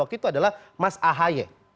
waktu itu adalah mas ahy